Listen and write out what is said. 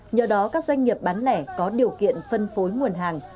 nhờ đó các doanh nghiệp bán lẻ có điều kiện phân phối nguồn hàng